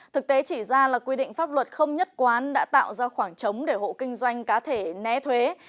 thực tế chỉ ra là quy định pháp luật không nhất quán đã tạo ra khoảng trống để hộ kinh doanh cá thể né thuế